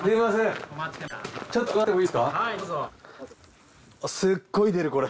すっごい出るこれ。